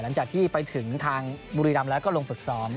หลังจากที่ไปถึงทางบุรีรำแล้วก็ลงฝึกซ้อม